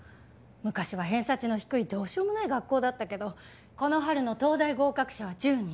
昔は偏差値の低いどうしようもない学校だったけどこの春の東大合格者は１０人。